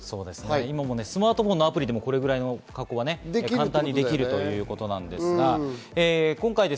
今、スマートフォンのアプリでもこれくらいの加工はできるということです。